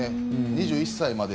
２１歳まで。